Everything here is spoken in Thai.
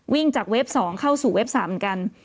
วิ่งจากเว็บ๒เข้าสู่เว็บ๓เหมือนกัน